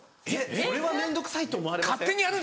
それは面倒くさいと思われません？